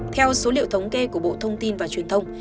theo số liệu thống kê của bộ thông tin và truyền thông